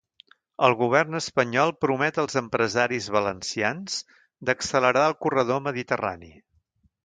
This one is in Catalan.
El govern espanyol promet als empresaris valencians d’accelerar el corredor mediterrani.